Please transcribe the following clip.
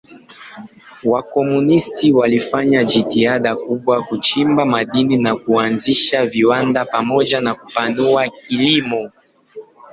Wakomunisti walifanya jitihada kubwa kuchimba madini na kuanzisha viwanda pamoja na kupanua kilimo.